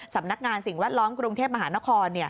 สำนักงานสิ่งแวดล้อมกรุงเทพมหานคร